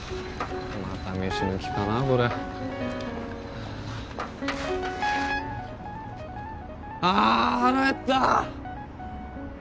またメシ抜きかなこれああ腹減った！